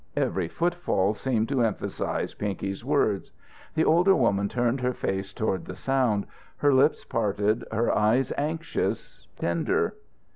Every footfall seemed to emphasize Pinky's words. The older woman turned her face toward the sound, her lips parted, her eyes anxious, tender.